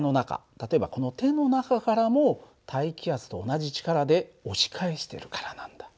例えばこの手の中からも大気圧と同じ力で押し返してるからなんだ。